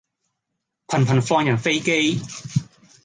頻頻放人飛機